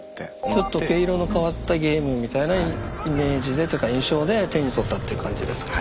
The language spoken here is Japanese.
ちょっと毛色の変わったゲームみたいなイメージでというか印象で手に取ったって感じですか？